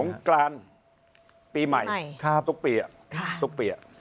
สงกรานปีใหม่ทุกปี